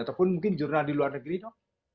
ataupun mungkin jurnal di luar negara